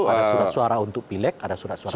ada surat suara untuk pilek ada surat suara